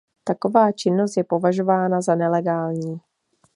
Taková činnost je považována za nelegální.